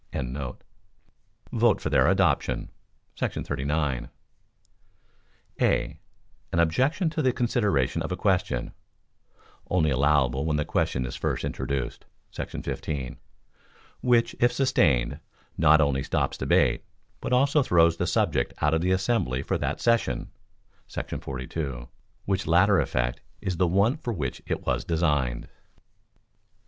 ] vote for their adoption [§ 39]: (a) An objection to the consideration of a question [only allowable when the question is first introduced, § 15], which, if sustained, not only stops debate, but also throws the subject out of the assembly for that session [§ 42]; which latter effect is the one for which it was designed.